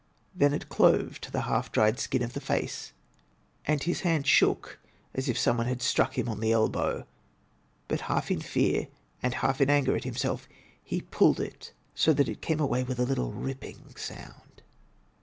Then it clove to the half dried skin of the face, and his hand shook as if some one had struck him on the elbow, but half in fear and half in anger at himself, he pulled it, so that it came away with a little ripping sound.